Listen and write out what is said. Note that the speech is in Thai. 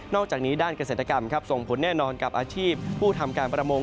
อกจากนี้ด้านเกษตรกรรมส่งผลแน่นอนกับอาชีพผู้ทำการประมง